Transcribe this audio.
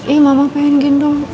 ih mama pengen gendong